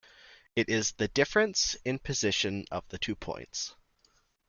It is the difference in position of the two points.